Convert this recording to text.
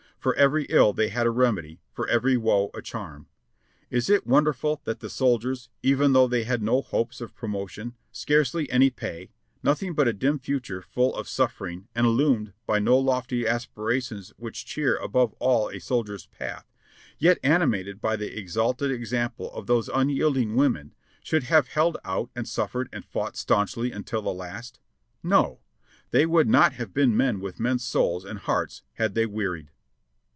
For every ill they had a remedy, for every woe a charm. Is it wonderful that the soldiers, even though they had no hopes of promotion, scarcely any pay, nothing but a dim future full of suffering and illumined by no lofty aspirations which cheer above all a soldier's path, yet animated by the exalted example of those unyielding women, should have held out and suffered and fought staunchly until the last? No! they would not have been men with men's souls and hearts, had they wearied.